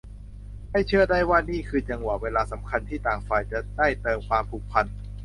ให้เชื่อได้ว่านี่คือจังหวะเวลาสำคัญที่ต่างฝ่ายจะได้เติมความผูกพัน